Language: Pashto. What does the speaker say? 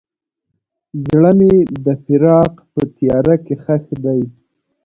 زړه مې د فراق په تیاره کې ښخ دی.